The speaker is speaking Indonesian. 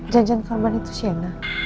janjangan korban itu sienna